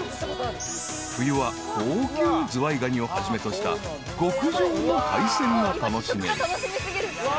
［冬は高級ズワイガニをはじめとした極上の海鮮が楽しめる］